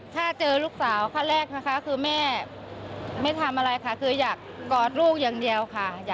ถ้าเจอลูกสาวคำแรกนะคะคือแม่ไม่ทำอะไรค่ะ